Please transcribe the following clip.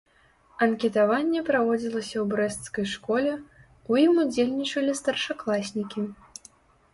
Анкетаванне праводзілася ў брэсцкай школе, у ім удзельнічалі старшакласнікі.